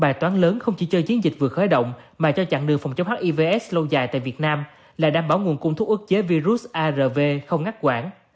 bài toán lớn không chỉ cho chiến dịch vừa khởi động mà cho chặng đường phòng chống hivs lâu dài tại việt nam là đảm bảo nguồn cung thuốc ước chế virus arv không ngắt quản